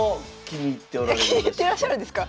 気に入ってらっしゃるんですか？